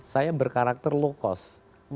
saya berkarakter low cost